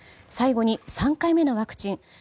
最後に３回目のワクチン。